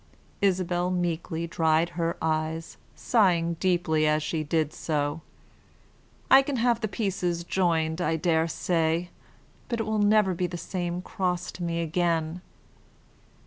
Isabel meekly dried her eyes, sighing deeply as she did so. "I can have the pieces joined, I dare say; but it will never be the same cross to me again."